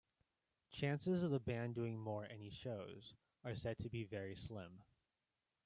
Chances of the band doing more any shows are said to be "very slim".